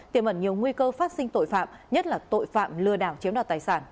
tiềm ẩn nhiều nguy cơ phát sinh tội phạm nhất là tội phạm lừa đảo chiếm đoạt tài sản